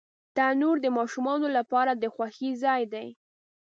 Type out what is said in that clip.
تنور د ماشومانو لپاره د خوښۍ ځای دی